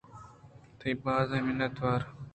تئی بازیں منتوار۔